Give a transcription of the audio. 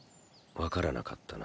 わからなかったな。